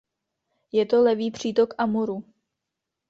Je to levý přítok Amuru.